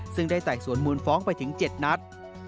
ซึ่งได้ไต่สวนมูลฟ้องไปถึง๗นัด